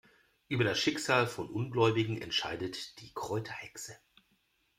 Über das Schicksal von Ungläubigen entscheidet die Kräuterhexe.